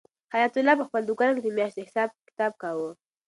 حیات الله په خپل دوکان کې د میاشتې حساب کتاب کاوه.